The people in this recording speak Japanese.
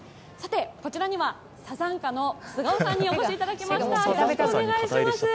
こちらにはＳＡＺＡＮＫＡの菅生さんにお越しいただきました。